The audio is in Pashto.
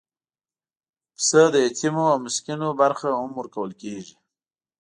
پسه د یتیمو او مسکینو برخه هم ورکول کېږي.